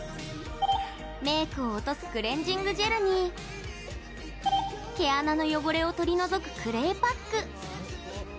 メークを落とすクレンジングジェルに毛穴の汚れを取り除くクレイパック。